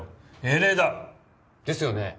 英霊だ。ですよね。